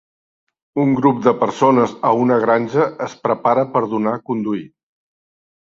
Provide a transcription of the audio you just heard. Un grup de persones a una granja es prepara per donar conduir